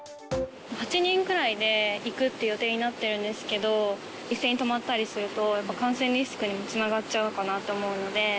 ８人くらいで行くっていう予定になってるんですけど、一斉に泊まったりすると、やっぱ感染リスクにもつながっちゃうかなと思うので。